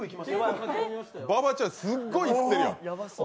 馬場ちゃん、すごいいってるやん。